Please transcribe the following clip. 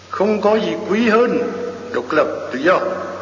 không có gì quý hơn độc lập tự do